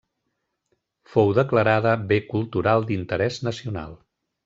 Fou declarada Bé Cultural d'Interès Nacional.